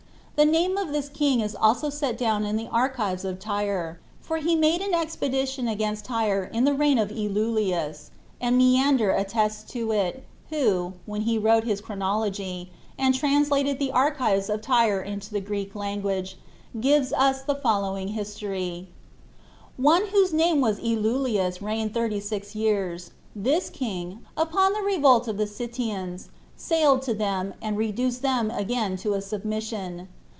The name of this king is also set down in the archives of Tyre, for he made an expedition against Tyre in the reign of Eluleus; and Menander attests to it, who, when he wrote his Chronology, and translated the archives of Tyre into the Greek language, gives us the following history: "One whose name was Eluleus reigned thirty six years; this king, upon the revolt of the Citteans, sailed to them, and reduced them again to a submission.